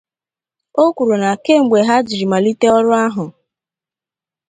O kwuru na kemgbe ha jiri malite ọrụ ahụ